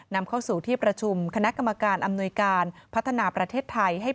นำเข้าสู่ที่ประชุมคณะกรรมการอำนวยการพัฒนาประเทศไทย